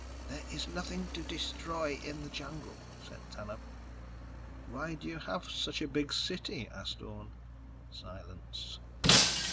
"There is nothing to destroy in the jungle," said Tanub. "Why do you have such a big city?" asked Orne. Silence.